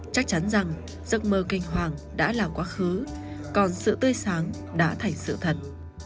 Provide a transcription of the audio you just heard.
chắc chắn rằng giấc mơ kinh hoàng đã là quá khứ còn sự tươi sáng đã thành sự thật